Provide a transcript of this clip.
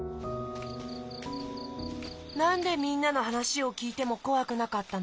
なんでみんなのはなしをきいてもこわくなかったの？